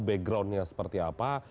backgroundnya seperti apa